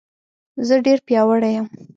زه ډېر پیاوړی یم